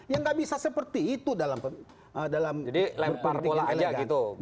ya enggak bisa seperti itu dalam berpolitik yang elegan